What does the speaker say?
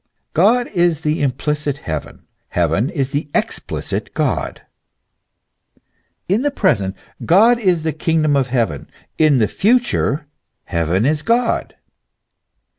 God is the implicit heaven ; heaven is the explicit God. In the present, God is the kingdom of heaven; in the future, heaven is God.